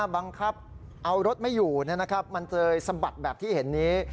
บังคับเอารถไม่อยู่เนี่ยนะครับมันจะสะบัดแบบที่เห็นนี้